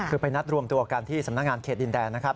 คือไปนัดรวมตัวกันที่สำนักงานเขตดินแดงนะครับ